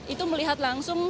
itu melihat langsung